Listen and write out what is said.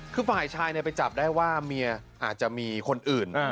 คือฝ่ายชายไปจับได้ว่าเมียอาจจะมีคนอื่น